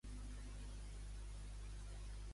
Considera que és poruga, ella?